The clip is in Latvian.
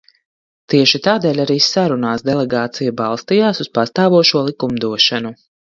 Tieši tādēļ arī sarunās delegācija balstījās uz pastāvošo likumdošanu.